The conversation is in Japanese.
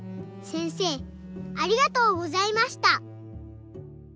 せんせいありがとうございました。